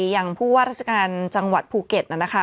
อย่างผู้ว่าราชการจังหวัดภูเก็ตนะคะ